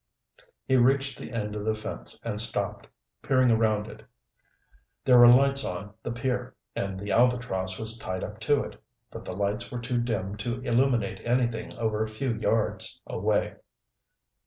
He reached the end of the fence and stopped, peering around it. There were lights on the pier, and the Albatross was tied up to it, but the lights were too dim to illuminate anything over a few yards away.